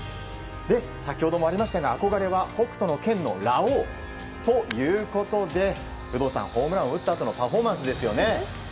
先ほどもありましたが憧れは「北斗の拳」のラオウということで、有働さんホームランを打ったあとのパフォーマンスですよね。